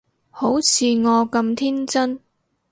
好似我咁天真